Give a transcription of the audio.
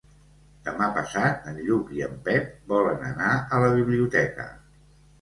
Demà passat en Lluc i en Pep volen anar a la biblioteca.